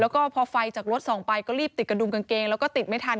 แล้วก็พอไฟจากรถส่องไปก็รีบติดกระดุมกางเกงแล้วก็ติดไม่ทัน